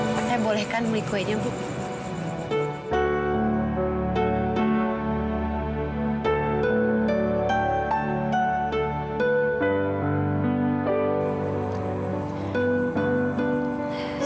saya bolehkan beli kuenya bu